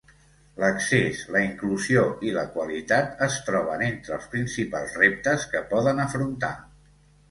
L'accés, la inclusió i la qualitat es troben entre els principals reptes que poden afrontar.